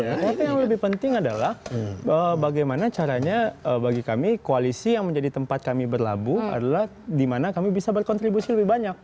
karena yang lebih penting adalah bagaimana caranya bagi kami koalisi yang menjadi tempat kami berlabuh adalah di mana kami bisa berkontribusi lebih banyak